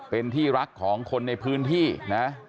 น้องสะพ้ายของผู้ตายบอกว่า